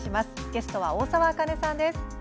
ゲストは大沢あかねさんです。